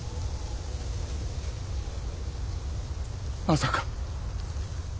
まさか。